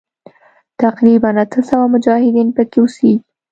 تقریباً اته سوه مجاهدین پکې اوسیږي.